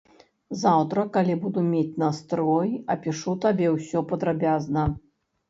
Заўтра, калі буду мець настрой, апішу табе ўсё падрабязна.